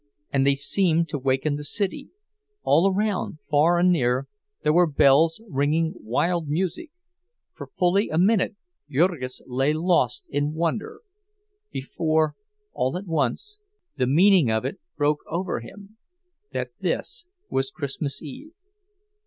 And they seemed to waken the city—all around, far and near, there were bells, ringing wild music; for fully a minute Jurgis lay lost in wonder, before, all at once, the meaning of it broke over him—that this was Christmas Eve!